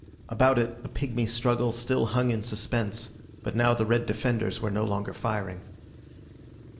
About it the pigmy struggle still hung in suspense, but now the red defenders were no longer firing.